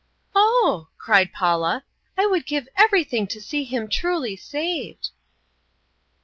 "Oh," cried Paula, "I would give everything to see him truly saved!"